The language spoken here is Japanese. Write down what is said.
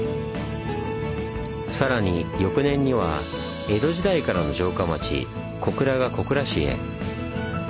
さらに翌年には江戸時代からの城下町小倉が小倉市へ。